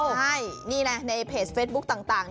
ใช่นี่ไงในเพจเฟซบุ๊คต่าง